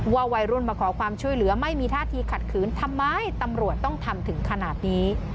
วัยรุ่นมาขอความช่วยเหลือไม่มีท่าทีขัดขืนทำไมตำรวจต้องทำถึงขนาดนี้